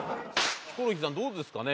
ヒコロヒーさんどうですかね？